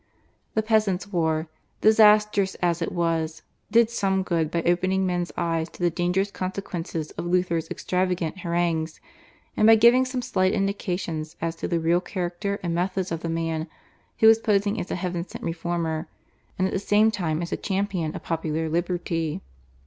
The Peasants' War, disastrous as it was, did some good by opening men's eyes to the dangerous consequences of Luther's extravagant harangues, and by giving some slight indications as to the real character and methods of the man, who was posing as a heaven sent reformer and at the same time as a champion of popular liberty.